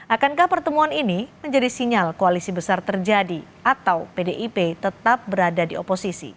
akankah pertemuan ini menjadi sinyal koalisi besar terjadi atau pdip tetap berada di oposisi